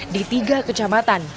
di tiga kecamatan